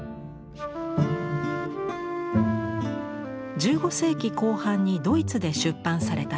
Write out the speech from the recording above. １５世紀後半にドイツで出版された書物。